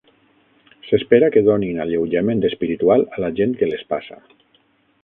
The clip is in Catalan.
S'espera que donin alleujament espiritual a la gent que les passa.